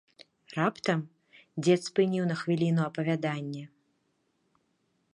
Раптам дзед спыніў на хвіліну апавяданне.